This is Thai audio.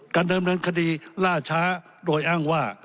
การเริ่มเริ่มคดีล่าช้าโดยอ้างว่า